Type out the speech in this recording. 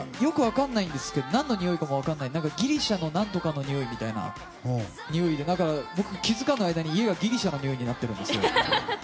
よく分からないんですけどギリシャの何とかのにおいみたいなにおいでだから、僕気づかない間に家がギリシャのにおいになってるんですよ。